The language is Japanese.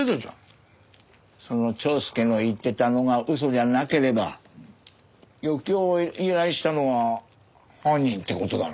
その蝶助の言ってたのが嘘じゃなければ余興を依頼したのが犯人って事だろ？